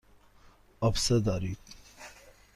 آبسه دارید.